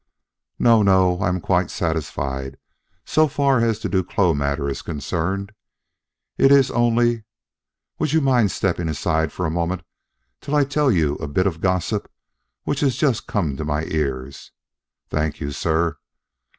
"No, no. I am quite satisfied, so far as the Duclos matter is concerned. It is only would you mind stepping aside for a moment till I tell you a bit of gossip which has just come to my ears? Thank you, sir.